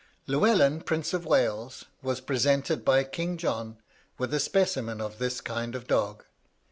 "Llewellyn, prince of Wales, was presented by King John with a specimen of this kind of dog.